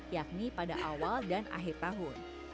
yakni pada awal dan akhir tahun